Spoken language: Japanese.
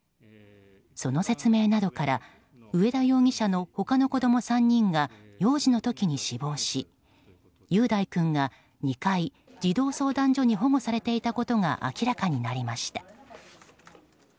その説明などから上田容疑者の他の子供３人が幼児の時に死亡し雄大君が２回児童相談所に保護されていたことが明らかになりました。